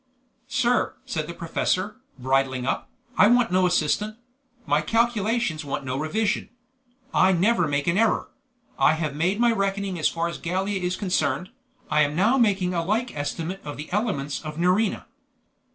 "Sir," said the professor, bridling up, "I want no assistant; my calculations want no revision. I never make an error. I have made my reckoning as far as Gallia is concerned. I am now making a like estimate of the elements of Nerina."